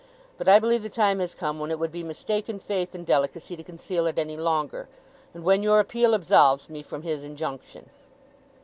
But, I believe the time has come when it would be mistaken faith and delicacy to conceal it any longer, and when your appeal absolves me from his injunction.